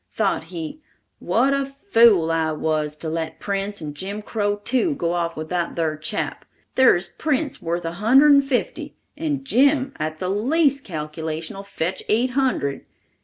Thought he, "What a fool I was to let Prince and Jim Crow, too, go off with that ar' chap! Thar's Prince, worth a hundred and fifty, and Jim, at the least calculation, 'll fetch eight hundred.